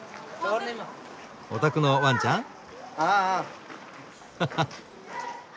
お宅のワンちゃん？ははっ。